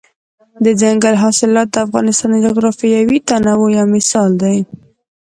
دځنګل حاصلات د افغانستان د جغرافیوي تنوع یو مثال دی.